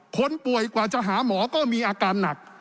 คนป่วยกว่าจะหาหมอก็มีอาการหนัก